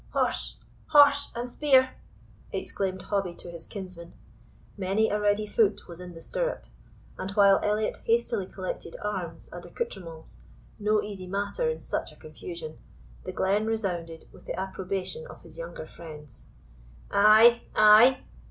"Horse! horse! and spear!" exclaimed Hobbie to his kinsmen. Many a ready foot was in the stirrup; and, while Elliot hastily collected arms and accoutrements, no easy matter in such a confusion, the glen resounded with the approbation of his younger friends. "Ay, ay!"